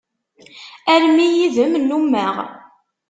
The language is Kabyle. Armi yid-m nnumeɣ.